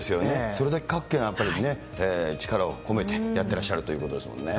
それだけ各県やっぱりね、力を込めてやってらっしゃるということですもんね。